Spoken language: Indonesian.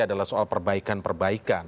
adalah soal perbaikan perbaikan